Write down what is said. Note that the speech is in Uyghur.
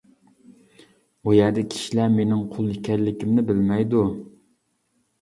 ئۇ يەردە كىشىلەر مېنىڭ قۇل ئىكەنلىكىمنى بىلمەيدۇ.